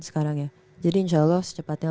sekarang ya jadi insya allah secepatnya